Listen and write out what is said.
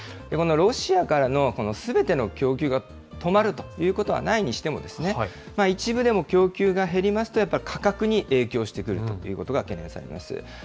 このロシアからのすべての供給が止まるということはないにしても、一部でも供給が減りますと、やっぱ価格に影響してくるということが懸念されます。